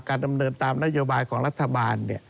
ดำเนินตามนโยบายของรัฐบาล